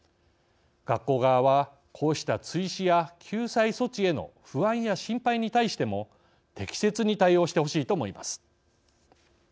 学校側はこうした追試や救済措置への不安や心配に対しても適切に対応してほしいと思います。